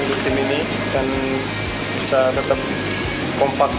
dan bisa tetap kompak